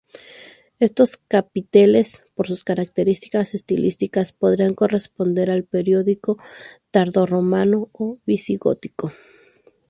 Estos capiteles, por sus características estilísticas, podrán corresponder al período tardorromano o visigótico.